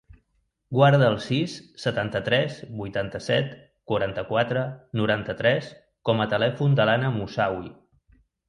Guarda el sis, setanta-tres, vuitanta-set, quaranta-quatre, noranta-tres com a telèfon de l'Ana Moussaoui.